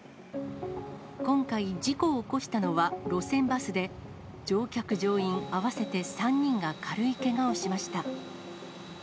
今回、事故を起こしたのは路線バスで、乗客・乗員合わせて３人が軽いけがをしました。